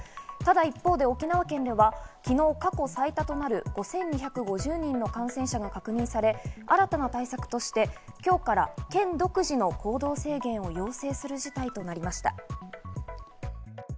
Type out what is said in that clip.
ただ一方で沖縄県では昨日、過去最多となる５２５０人の感染者が確認され、新たな対策として今日から県独自の行動制限を要請する事態となりました。